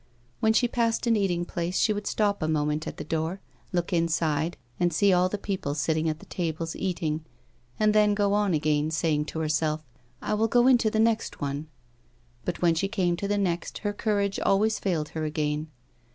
When she passed an eating place she would stop a moment at the door, look inside, and see all the people sitting at the tables eating, and then go on again, saying to herself :" I will go into the next one ;" but when she came to the next her courage always failed her again.